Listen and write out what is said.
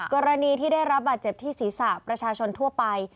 กรณีที่ได้รับบาดเจ็บที่ศีรษะประชาชนทั่วไป